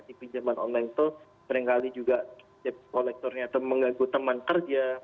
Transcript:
di pinjaman online itu seringkali juga dep kolektornya itu mengganggu teman kerja